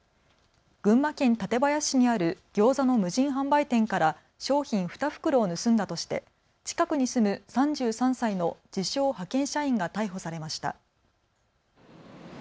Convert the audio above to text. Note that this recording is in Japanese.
群馬県館林市にあるギョーザの無人販売店から商品２袋を盗んだとして近くに住む３３歳の自称、派遣社員が逮捕されました。